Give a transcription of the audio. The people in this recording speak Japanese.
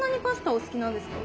お好きなんですか？